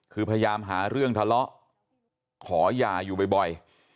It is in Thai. คือพยายามหาเรื่องทะเลาะขอหย่าอยู่บ่อย